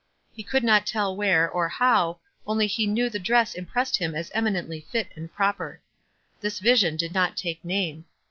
He could not tell where, or how, only he knew the dress im pressed him as eminently fit and proper. This vision did not take name.